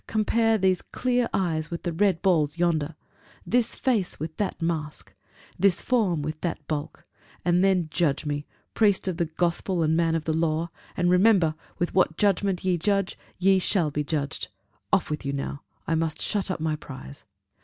Compare these clear eyes with the red balls yonder this face with that mask this form with that bulk; then judge me, priest of the Gospel and man of the law, and remember, with what judgment ye judge ye shall be judged! Off with you now: I must shut up my prize."